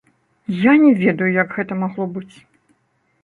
Я не ведаю, як гэта магло быць!